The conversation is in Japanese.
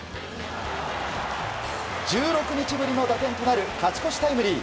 １６日ぶりの打点となる勝ち越しタイムリー。